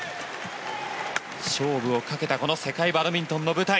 勝負をかけたこの世界バドミントンの舞台。